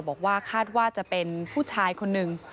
บอกว่าคาดว่าจะเป็นผู้ชายคนหนึ่ง